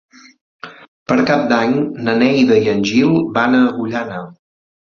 Per Cap d'Any na Neida i en Gil van a Agullana.